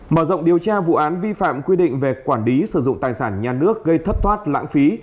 mở rộng điều tra vụ án vi phạm quy định về quản lý sử dụng tài sản nhà nước gây thất thoát lãng phí